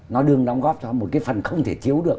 nó đương đóng góp cho một cái phần không thể chiếu được